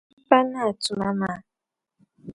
M-pa naai tuma maa.